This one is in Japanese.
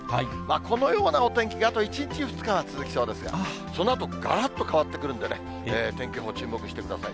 このようなお天気があと１日、２日は続きそうですが、そのあと、がらっと変わってくるんでね、天気予報注目してください。